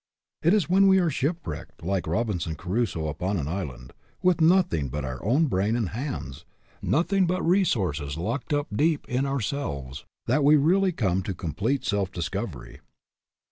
It is when we are shipwrecked like Robinson Crusoe upon an island, with nothing but our own brain and hands, nothing but resources locked up deep in ourselves, that we really come to complete self discovery.